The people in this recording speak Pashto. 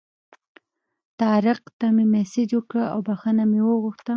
طارق ته مې مسیج وکړ او بخښنه مې وغوښته.